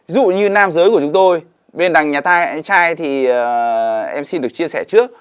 ví dụ như nam giới của chúng tôi bên đằng nhà trai thì em xin được chia sẻ trước